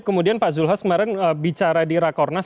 kemudian pak zulhas kemarin bicara di rakornas